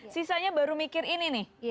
sisanya baru mikir ini nih